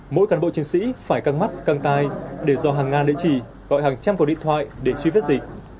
mỗi cán bộ chiến sĩ phải căng mắt căng tay để do hàng ngàn địa chỉ gọi hàng trăm cuộc điện thoại để truy vết dịch